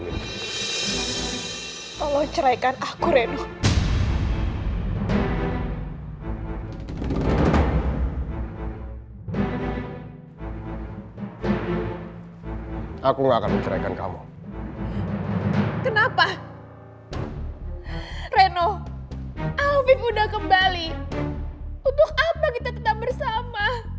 untuk apa kita tetap bersama